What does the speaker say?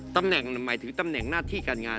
ตำแหน่งหมายถึงตำแหน่งหน้าที่การงาน